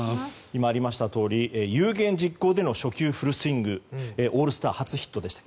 今ありましたとおり有言実行での初球フルスイングオールスター初ヒットでした。